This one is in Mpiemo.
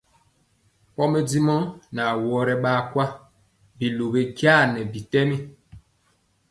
Podimɔ ɓa awɔrɛ ɓaa kwa, biluwi jaa nɛ bitɛm.